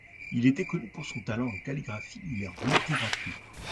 Il était connu pour son talent en calligraphie et en littérature.